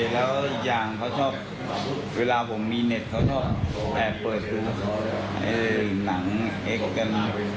แล้วก็อีกอย่างเขาชอบเวลาผมมีเน็ตเขาชอบแอบเปิดดูให้หนังเอ๊ะกัน